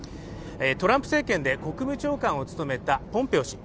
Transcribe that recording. トランプ政権で国務長官を務めたポンペオ氏